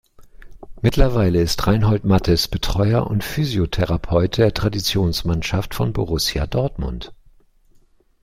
Mittlerweile ist Reinhold Mathes Betreuer und Physiotherapeut der Traditionsmannschaft von Borussia Dortmund.